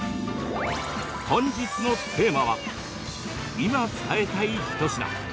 本日のテーマは今、伝えたい一品。